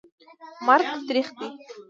مرګ تریخ دي